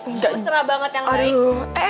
mesra banget yang baik